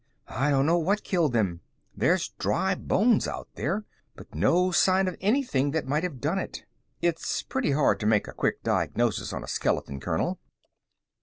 "I don't know what killed them. There's dry bones out there, but no sign of anything that might have done it. It's pretty hard to make a quick diagnosis on a skeleton, Colonel."